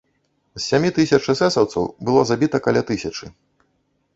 З сямі тысяч эсэсаўцаў было забіта каля тысячы.